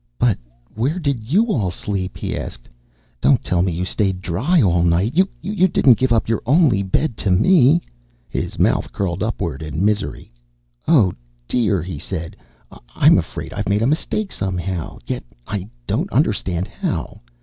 "But where did you all sleep?" he asked. "Don't tell me you stayed dry all night! You didn't give up your only bed to me?" His mouth curled upward in misery. "Oh, dear," he said, "I'm afraid I've made a mistake somehow. Yet I don't understand how.